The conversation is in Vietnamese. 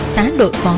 xá đội phó